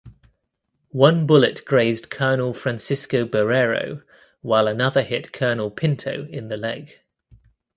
One bullet grazed Colonel Francisco Barrero while another hit Colonel Pinto in the leg.